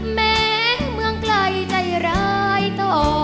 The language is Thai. แม้เมืองไกลใจร้ายต่อ